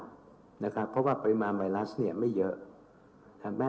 เพราะว่าปริมาณไวรัสเนี่ยไม่เยอะ